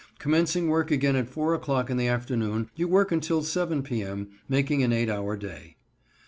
Commencing work again at 4 o'clock in the afternoon you work until 7 p. m., making an eight hour day.)